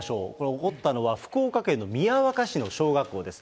起こったのは福岡県の宮若市の小学校です。